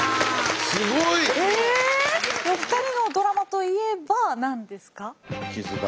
すごい！お二人のドラマといえば何ですか？